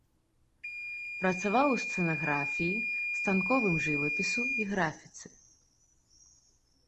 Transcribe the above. Працаваў у сцэнаграфіі, станковым жывапісу і графіцы.